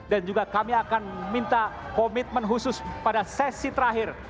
dan juga kami akan minta komitmen khusus pada sesi terakhir